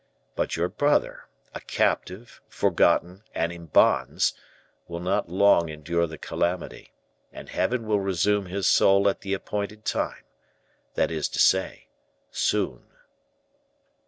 But your brother, a captive, forgotten, and in bonds, will not long endure the calamity; and Heaven will resume his soul at the appointed time that is to say, soon."